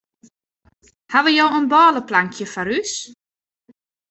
Hawwe jo in bôleplankje foar ús?